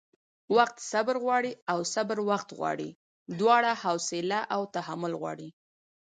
وخت صبر غواړي او صبر وخت غواړي؛ دواړه حوصله او تحمل غواړي